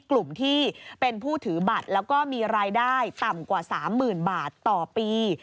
กลุ่มที่เป็นผู้ถือบัตรแล้วก็มีรายได้ต่ำกว่า๓๐๐๐บาทต่อปี